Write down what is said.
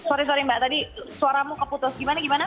sorry sorry mbak tadi suaramu ngeputus gimana